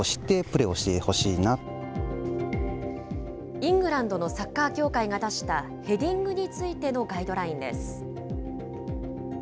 イングランドのサッカー協会が出したヘディングについてのガイドラインです。